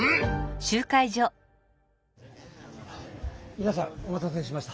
みなさんお待たせしました。